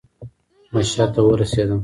مشهد ته ورسېدم.